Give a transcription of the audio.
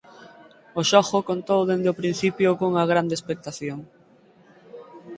O xogo contou dende o principio cunha grande expectación.